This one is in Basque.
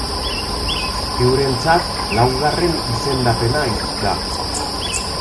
Eurentzat laugarren izendapena da.